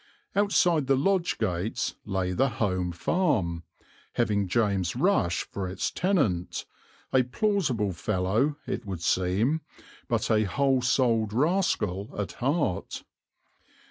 Outside the lodge gates lay the Home Farm, having James Rush for its tenant, a plausible fellow, it would seem, but a whole souled rascal at heart.